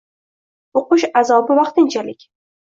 O`qish azobi vaqtinchalik